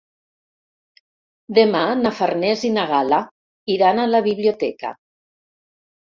Demà na Farners i na Gal·la iran a la biblioteca.